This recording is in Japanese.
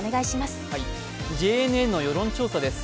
ＪＮＮの世論調査です。